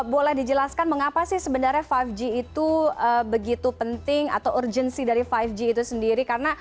boleh dijelaskan mengapa sih sebenarnya lima g itu begitu penting atau urgensi dari lima g itu sendiri karena